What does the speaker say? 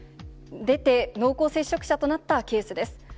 出て、濃厚接触者となったケースです。